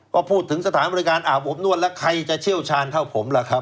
ก็พูดถึงสถานบริการอาบอบนวดแล้วใครจะเชี่ยวชาญเท่าผมล่ะครับ